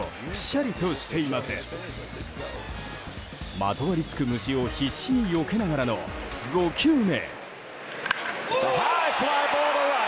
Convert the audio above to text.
まとわりつく虫を必死によけながらの５球目。